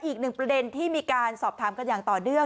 อีกหนึ่งประเด็นที่มีการสอบถามกันอย่างต่อเนื่อง